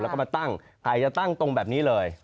แล้วก็มาตั้งใครจะตั้งตรงแบบนี้เลย